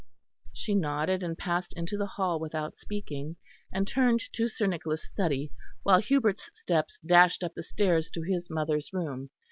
She nodded and passed into the hall without speaking, and turned to Sir Nicholas' study; while Hubert's steps dashed up the stairs to his mother's room.